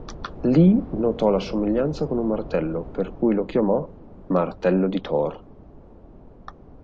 Lee notò la somiglianza con un martello, per cui lo chiamò "martello di Thor".